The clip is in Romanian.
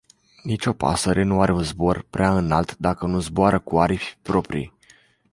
Nici o pasăre nu are zbor prea înalt, dacă nu zboară cu aripi proprii.